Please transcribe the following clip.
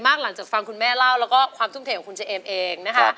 พระนะคะอย่ารอช้าเลยนะฮะ